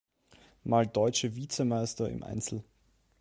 Mal deutsche Vizemeister im Einzel.